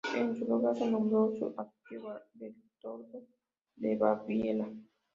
En su lugar se nombró a su tío Bertoldo de Baviera.